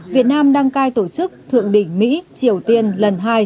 việt nam đăng cai tổ chức thượng đỉnh mỹ triều tiên lần hai